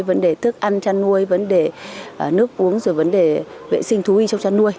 vấn đề thức ăn chăn nuôi vấn đề nước uống rồi vấn đề vệ sinh thú y trong chăn nuôi